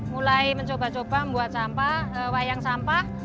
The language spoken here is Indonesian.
mulai mencoba coba membuat sampah wayang sampah